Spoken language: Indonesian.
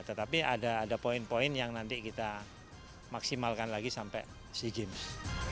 tetapi ada poin poin yang nanti kita maksimalkan lagi sampai sea games